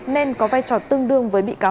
nên có vai trò tương đương với bị cáo